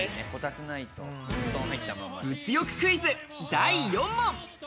物欲クイズ第４問！